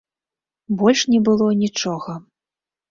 Больш не было нічога.